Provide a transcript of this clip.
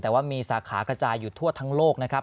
แต่ว่ามีสาขากระจายอยู่ทั่วทั้งโลกนะครับ